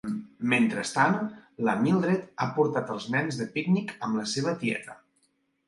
Mentrestant, la Mildred ha portat als nens de pícnic amb la seva tieta.